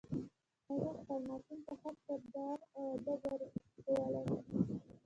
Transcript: هغې خپل ماشوم ته ښه کردار او ادب ور ښوولی